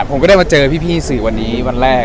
ผมก็ได้มาเจอพี่สื่อวันนี้วันแรก